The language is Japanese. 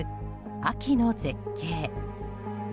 秋の絶景。